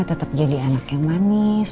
tetap jadi anak yang manis